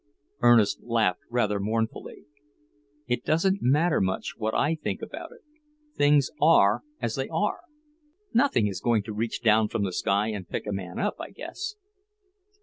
Ernest laughed rather mournfully. "It doesn't matter much what I think about it; things are as they are. Nothing is going to reach down from the sky and pick a man up, I guess."